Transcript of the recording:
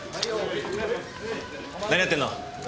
何やってるの？